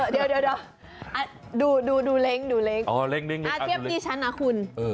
เดี๋ยวดูเล็กเทียบดีชั้นนะคุณ